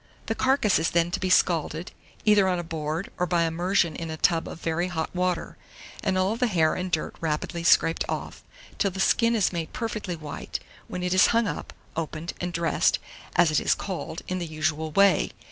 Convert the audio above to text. The carcase is then to be scalded, either on a board or by immersion in a tub of very hot water, and all the hair and dirt rapidly scraped off, till the skin is made perfectly white, when it is hung up, opened, and dressed, as it is called, in the usual way.